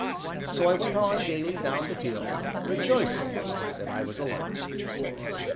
So I went on gayly down the hill, rejoicing that I was alive.